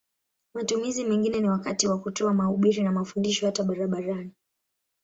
Matumizi mengine ni wakati wa kutoa mahubiri na mafundisho hata barabarani.